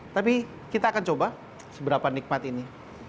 tapi kita akan coba seberapa nikmat ini